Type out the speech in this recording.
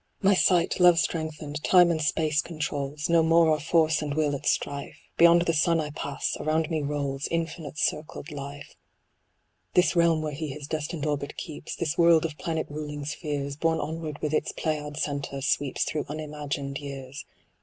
My sight, love strengthened, Time and Space con trols ; No more are Force and Will at strife ; Beyond the sun I pass ; around me rolls Infinite circled Life. THE ASTRONOMER. This realm where he his destined orbit keeps, This world of planet ruling spheres, Borne onward with its Pleiad centre, sweeps Through unimagined years.